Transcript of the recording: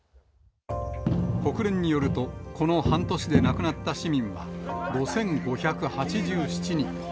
国連によると、この半年で亡くなった市民は、５５８７人。